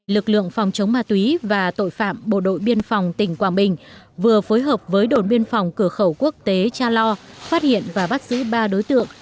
lực lượng phòng chống ma túy và tội phạm bộ đội biên phòng tỉnh quảng bình vừa phối hợp với đồn biên phòng cửa khẩu quốc tế cha lo phát hiện và bắt giữ ba đối tượng